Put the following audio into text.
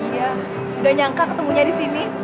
iya nggak nyangka ketemunya di sini